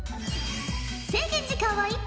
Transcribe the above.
制限時間は１分。